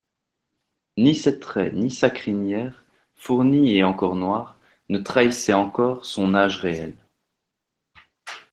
Ni ses traits, ni sa crinière, fournie et encore noire, ne trahissaient encore son âge réel.